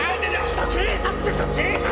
警察ですよ警察！